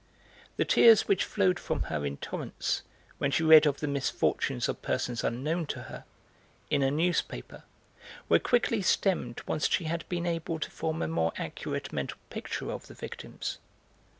The tears which flowed from her in torrents when she read of the misfortunes of persons unknown to her, in a newspaper, were quickly stemmed once she had been able to form a more accurate mental picture of the victims.